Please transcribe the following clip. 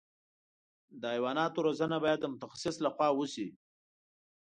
د حیواناتو روزنه باید د متخصص له خوا وشي.